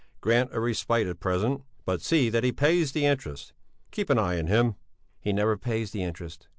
Grant a respite at present, but see that he pays the interest. Keep an eye on him." "He never pays the interest."